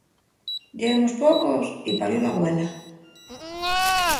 Yéremos pocos y parió la güela.